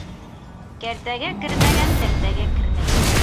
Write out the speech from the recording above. Кәртәгә кермәгән тәртәгә кермәй.